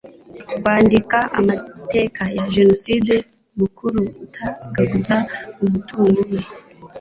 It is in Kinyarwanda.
Kwandika amateka ya Jenoside mukuru utagaguza umutungo we